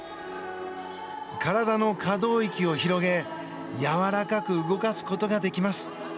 体の可動域を広げ、やわらかく動かすことができます。